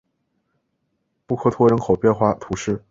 布克托人口变化图示